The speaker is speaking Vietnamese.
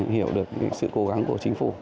hiểu được sự cố gắng của chính phủ